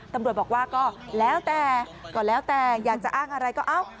ตำรวจบอกว่าก็แล้วแต่ก็แล้วแต่อยากจะอ้างอะไรก็เอ้า